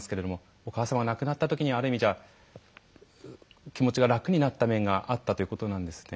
お母様が亡くなったときにある意味気持ちが楽になった面があったということなんですね。